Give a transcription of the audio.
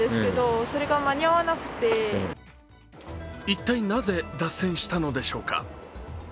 一体なぜ脱線したのでしょうか。